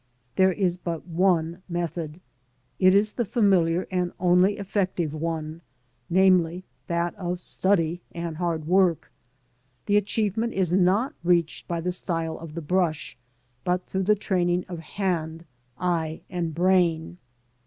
There is but one method. It is the familiar and only effective one, namely, that of study and hard work. The achieve ment is not reached by the style of the brush, but through the training of hand, eye and brain.